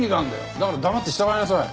だから黙って従いなさい。